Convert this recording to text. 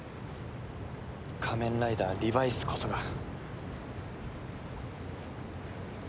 仮面ライダーリバイスこそが最強です。